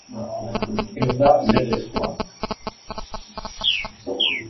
Ez da legezkoa.